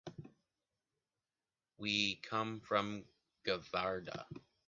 We come from Gavarda.